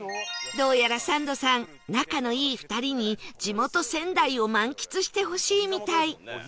どうやらサンドさん仲のいい２人に地元仙台を満喫してほしいみたい